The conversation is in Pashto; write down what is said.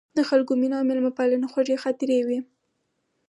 د خلکو مینه او میلمه پالنه خوږې خاطرې وې.